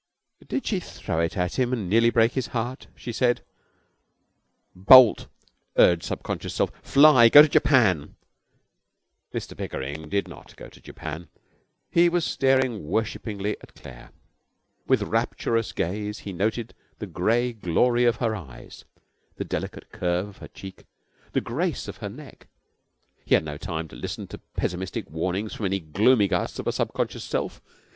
'Did she throw it at him and nearly break his heart!' she said. 'Bolt!' urged Subconscious Self. 'Fly! Go to Japan!' Mr Pickering did not go to Japan. He was staring worshippingly at Claire. With rapturous gaze he noted the grey glory of her eyes, the delicate curve of her cheek, the grace of her neck. He had no time to listen to pessimistic warnings from any Gloomy Gus of a Subconscious Self.